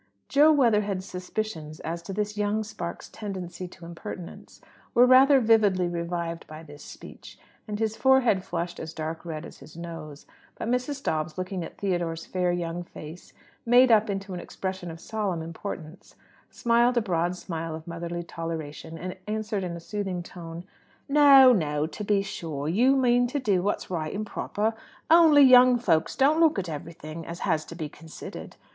Jo Weatherhead's suspicions as to this young spark's tendency to impertinence were rather vividly revived by this speech, and his forehead flushed as dark a red as his nose. But Mrs. Dobbs, looking at Theodore's fair young face made up into an expression of solemn importance, smiled a broad smile of motherly toleration, and answered in a soothing tone "No, no; to be sure, you mean to do what's right and proper; only young folks don't look at everything as has to be considered.